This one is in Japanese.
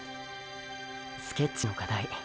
スケッチの課題